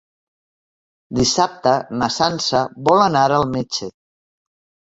Dissabte na Sança vol anar al metge.